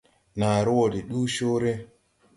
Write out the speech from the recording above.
Nããre wɔ de ndu coore.